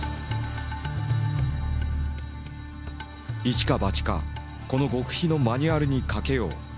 「いちかばちかこの極秘のマニュアルに賭けよう」。